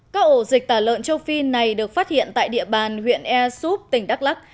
các ổ dịch tả lợn châu phi này được phát hiện tại địa bàn huyện ea súp tỉnh đắk lắc